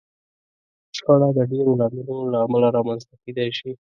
شخړه د ډېرو لاملونو له امله رامنځته کېدای شي.